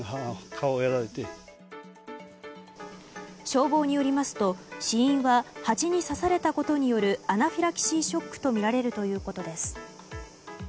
消防によりますと、死因はハチに刺されたことによるアナフィラキシーショックとみられるということです。